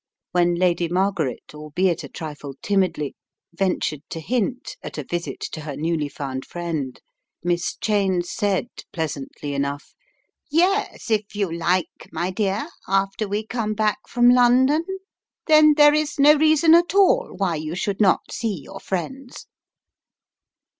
When Lady Margaret, albeit a trifle timidly, ventured to hint at a visit to her newly found friend, Miss Cheyne said pleasantly enough : "Yes, if you like my dear, after we come back from London, then there is no reason at all why you should not see your friends."